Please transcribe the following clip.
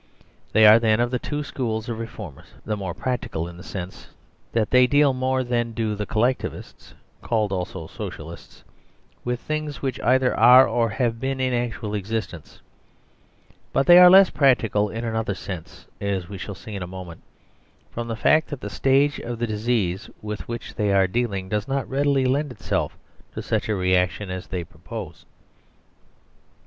They are then, of the two schools of reformers, the more practical in the sense that they deal more than do the Collectiv ists (called also Socialists) with things which either are or have been in actual existence. But they are less practical in another sense (as we shall see in a moment) from the fact that the stage of the disease with which they are dealing does not readily lend itself to such a reaction as they propose.